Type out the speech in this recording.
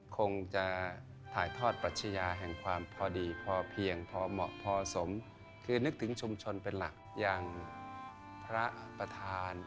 คงจะถ่ายทอดปรัชญาแห่งความพอดีพอเพียงพอเหมาะพอสมคือนึกถึงชุมชนเป็นหลักอย่างพระประธาน